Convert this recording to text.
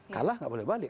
kalah gak boleh balik